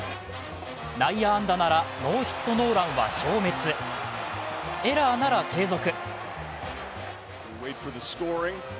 内野安打ならノーヒットノーランは消滅、エラーなら継続。